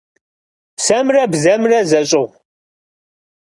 Псэмрэ бзэмрэ зэщӀыгъу?